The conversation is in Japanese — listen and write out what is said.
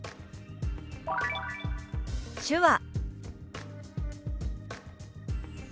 「手話」。